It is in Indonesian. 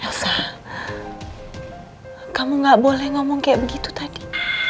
rasa kamu gak boleh ngomong kayak begitu tadi